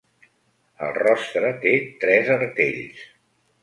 El rostre té tres artells.